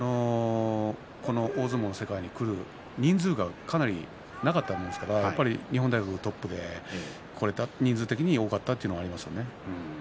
大相撲の世界にくる人数がなかったものですから日本大学がトップで人数的に多かったということがありますね。